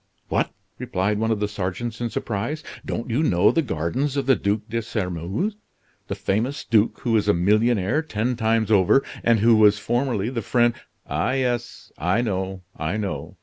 "What!" replied one of the sergeants in surprise, "don't you know the gardens of the Duke de Sairmeuse, the famous duke who is a millionaire ten times over, and who was formerly the friend " "Ah, yes, I know, I know!"